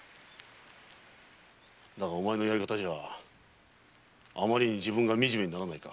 だがお前のやり方ではあまりに自分が惨めにならないか？